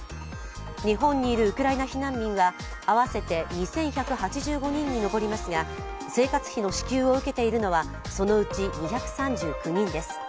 日本にいるウクライナ避難民は合わせて２１８５人に上りますが生活費の支給を受けているのはそのうち２３９人です。